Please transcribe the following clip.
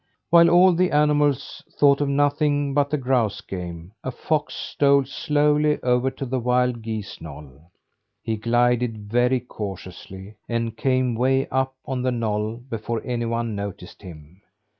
While all the animals thought of nothing but the grouse game, a fox stole slowly over to the wild geese's knoll. He glided very cautiously, and came way up on the knoll before anyone noticed him.